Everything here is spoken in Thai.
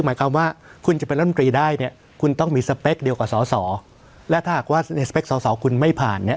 มาตราแบบสสอวและถ้าหากว่าสสอวสอว์คุณไม่ผ่านเนี้ยแล้ว